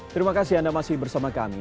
terima kasih anda masih bersama kami